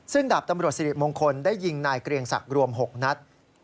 ซึ่งดาบตำรวจสิริมงคลได้ยิงนายเกรียงศักดิ์รวม๖นัด